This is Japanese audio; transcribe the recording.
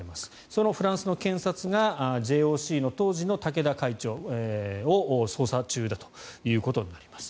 そのフランスの検察がＪＯＣの当時の竹田会長を捜査中だということになります。